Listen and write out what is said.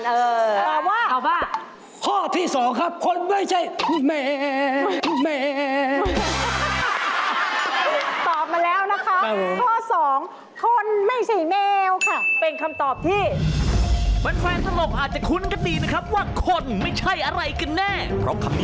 เอออันไหนอันไหนน่าจะเป็นกว่ากัน